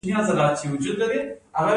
د ویښتو د نازکیدو لپاره کوم ماسک وکاروم؟